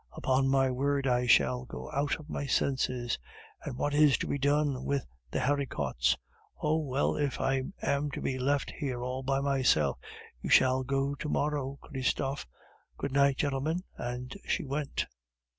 Upon my word, I shall go out of my senses! And what is to be done with the haricots! Oh, well, if I am to be left here all by myself, you shall go to morrow, Christophe. Good night, gentlemen," and she went.